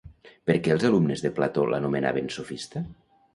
Per què els alumnes de Plató l'anomenaven "sofista"?